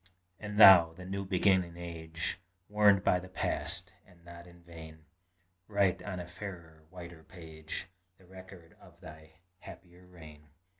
And thou, the new beginning age, Warned by the past, and not in vain, Write on a fairer, whiter page, The record of thy happier reign.